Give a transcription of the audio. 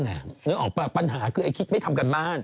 เนื้อออกปัญหาคือไอ้คริสต์ไม่ทำการบ้าน